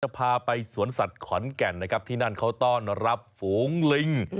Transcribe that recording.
พาไปสวนสัตว์ขอนแก่นนะครับที่นั่นเขาต้อนรับฝูงลิง